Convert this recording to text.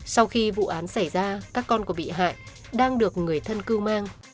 sau khi vụ án xảy ra các con của bị hại đang được người thân cư mang